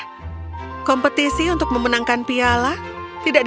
tanpa mencari f teacher who second lumen selama si participate lanjut kalimah ini